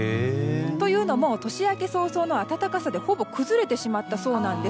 というのも年明け早々の暖かさでほぼ崩れてしまったそうなんです。